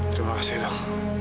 terima kasih dok